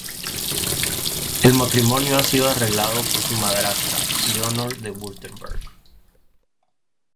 El matrimonio ha sido arreglado por su madrastra, Leonor de Wurtemberg.